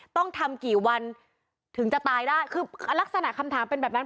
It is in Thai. ต้องทำกี่วันถึงจะตายได้คือลักษณะคำถามเป็นแบบนั้น